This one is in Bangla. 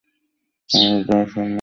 আমাদের জন্যও সম্মানের।